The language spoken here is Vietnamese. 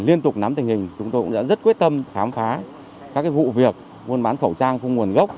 liên tục nắm tình hình chúng tôi cũng đã rất quyết tâm khám phá các vụ việc buôn bán khẩu trang không nguồn gốc